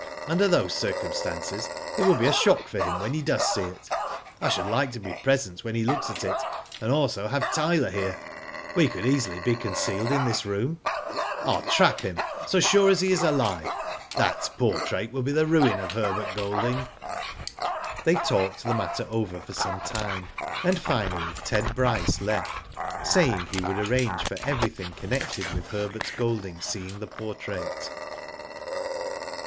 Under those circu r. stances it will be a shock for him when he does see it. I should like to be present when he looks at it, and also have Tyler here. We could easily be concealed in this room. *' ril trap him, so sure as Ife is alive. That portrait will be the ruin of Herbert Golding." They talked the matter over for some time, and, finally, Ted Bryce left, saying he would arrange for everything connected with Herbert Golding seeing the portrait.